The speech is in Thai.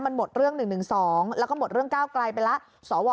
มันหมดเรื่องหนึ่งสองแล้วก็หมดเรื่องเก้าไกลไปละสว